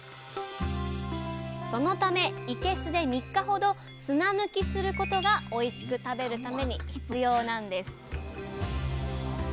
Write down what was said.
そのためいけすで３日ほど砂抜きすることがおいしく食べるために必要なんです！